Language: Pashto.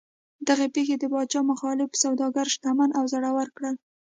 دغې پېښې د پاچا مخالف سوداګر شتمن او زړور کړل.